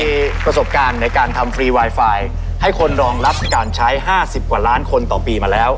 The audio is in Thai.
มีประสบการณ์ในการทำฟรีไวไฟให้คนรองรับการใช้๕๐กว่าล้านคนต่อปีมาแล้ว